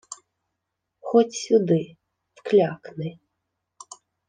— Ходь сюди... Вклякни.